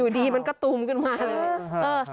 อยู่ดีมันกระตุมขึ้นมาเลย